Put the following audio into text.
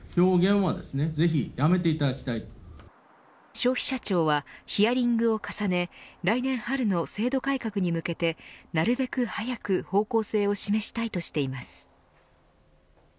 消費者庁はヒアリングを重ね来年春の制度改革に向けてなるべく早く方向性を示したいとしています。